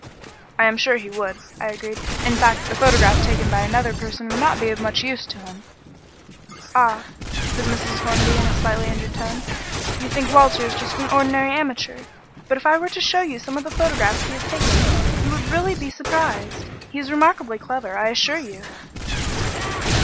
"I am sure he would," I agreed. "In fact, a photograph taken by another person would not be of much use to him." "Ah," said Mrs. Hornby in a slightly injured tone, "you think Walter is just an ordinary amateur; but if I were to show you some of the photographs he has taken you would really be surprised. He is remarkably clever, I assure you."